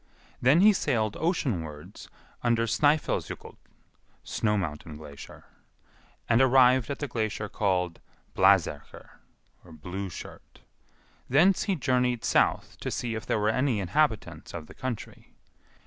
Then he sailed oceanwards under Snœfellsjokull (snow mountain glacier), and arrived at the glacier called Blaserkr (Blue shirt); thence he journeyed south to see if there were any inhabitants of the country.